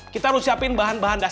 kita harus siapin bahan bahan dasar